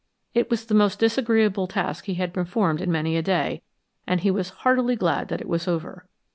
It was the most disagreeable task he had performed in many a day and he was heartily glad that it was over.